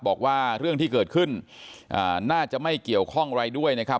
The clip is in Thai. บอกว่าเรื่องที่เกิดขึ้นน่าจะไม่เกี่ยวข้องอะไรด้วยนะครับ